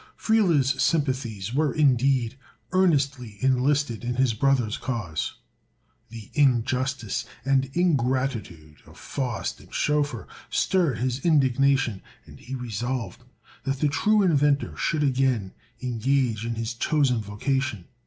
Friele's sympathies were indeed earnestly enlisted in his brother's cause. The injustice and ingratitude of Faust and Schoeffer stirred his indignation, and he resolved that the true inventor should again engage in his chosen vocation.